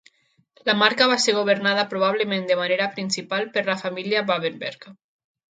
La marca va ser governada probablement de manera principal per la família Babenberg.